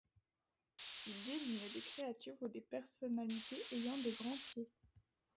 Il désigne des créatures ou des personnalités ayant de grands pieds.